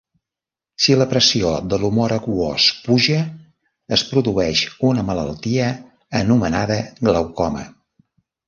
Si la pressió de l'humor aquós puja, es produeix una malaltia anomenada glaucoma.